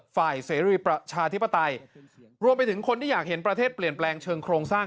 เสรีประชาธิปไตยรวมไปถึงคนที่อยากเห็นประเทศเปลี่ยนแปลงเชิงโครงสร้าง